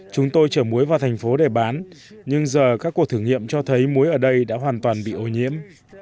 chúng tôi chở muối vào thành phố để bán nhưng giờ các cuộc thử nghiệm cho thấy muối ở đây đã hoàn toàn bị ô nhiễm